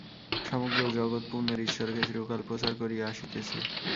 সমগ্র জগৎ পুণ্যের ঈশ্বরকে চিরকাল প্রচার করিয়া আসিতেছে।